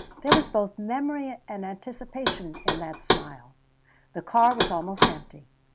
There was both memory and anticipation in that smile. The car was almost empty.